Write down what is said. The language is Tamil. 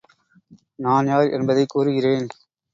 நான் யார் என்பதைக் கூறுகிறேன்.